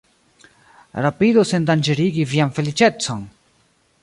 rapidu sendanĝerigi vian feliĉecon!